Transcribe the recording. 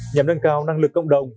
nhằm nâng cao năng lực cộng đồng